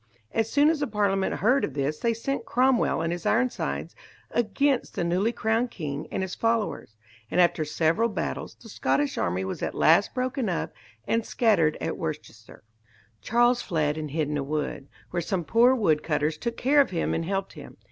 As soon as the Parliament heard of this they sent Cromwell and his Ironsides against the newly crowned king and his followers, and after several battles the Scottish army was at last broken up and scattered at Worcester. Charles fled and hid in a wood, where some poor wood cutters took care of him and helped him.